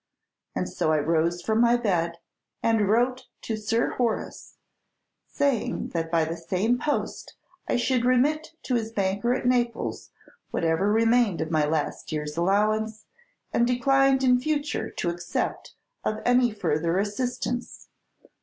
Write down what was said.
And so I arose from my bed, and wrote to Sir Horace, saying that by the same post I should remit to his banker at Naples whatever remained of my last year's allowance, and declined in future to accept of any further assistance.